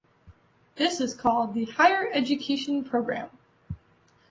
This is called the "Higher Education Program".